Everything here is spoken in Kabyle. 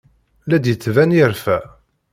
La d-yettban yerfa.